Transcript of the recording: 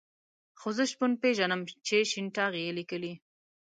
خو زه شپون پېژنم چې شين ټاغی یې لیکلی.